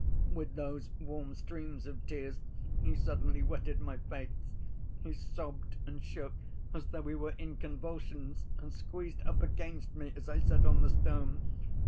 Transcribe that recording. With those warm streams of tears, he suddenly wetted my face. He sobbed and shook as though he were in convulsions, and squeezed up against me as I sat on the stone.